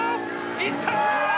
いった！